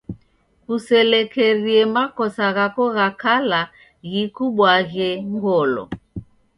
Kuselekerie makosa ghako gha kala ghikubwaghe ngolo.